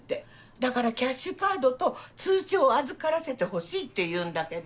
だからキャッシュカードと通帳を預からせてほしいって言うんだけど。